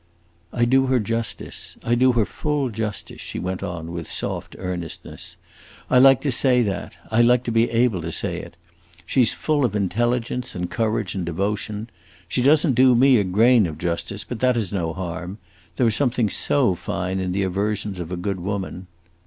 "I do her justice. I do her full justice," she went on, with soft earnestness. "I like to say that, I like to be able to say it. She 's full of intelligence and courage and devotion. She does n't do me a grain of justice; but that is no harm. There is something so fine in the aversions of a good woman!"